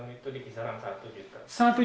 itu di kisaran satu juta